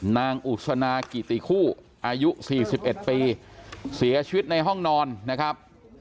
นางอุศนากิติคู่อายุ๔๑ปีเสียชีวิตในห้องนอนนะครับ